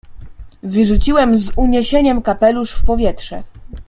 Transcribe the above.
"Wyrzuciłem z uniesieniem kapelusz w powietrze."